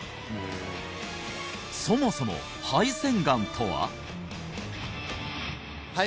そもそも肺腺がんとは？